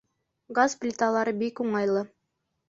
Газ плиталары бик уңайлы